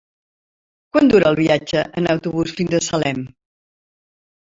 Quant dura el viatge en autobús fins a Salem?